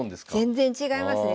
全然違いますね。